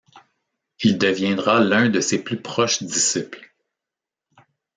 Il deviendra l'un de ses plus proches disciples.